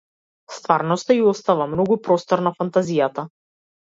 Стварноста ѝ остава многу простор на фантазијата.